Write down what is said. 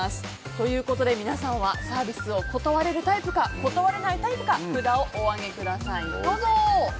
ということで皆さんはサービスを断れるタイプか断れないタイプか札をお上げください。